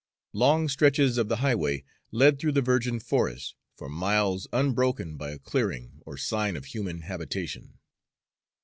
Long stretches of the highway led through the virgin forest, for miles unbroken by a clearing or sign of human habitation.